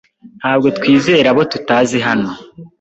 Ntabwo twizera abo tutazi hano.